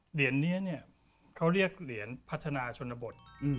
เหรียญนี้เนี่ยเขาเรียกเหรียญพัฒนาชนบท